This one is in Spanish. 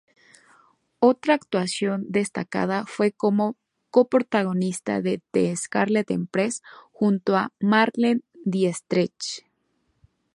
Otra actuación destacada fue como coprotagonista de "The Scarlet Empress" junto a Marlene Dietrich.